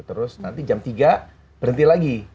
terus nanti jam tiga berhenti lagi